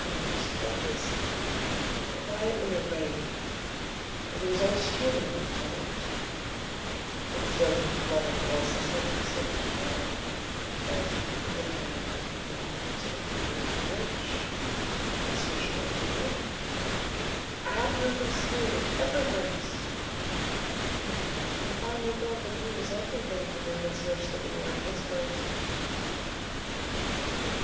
And he was always quietly arrayed, And he was always human when he talked; But still he fluttered pulses when he said,"Good morning," and he glittered when he walked. And he was rich,—yes, richer than a king,—And admirably schooled in every grace:In fine, we thought that he was everythingTo make us wish that we were in his place.